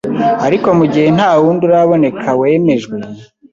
Ariko mu gihe nta wundi uraboneka wemejwe,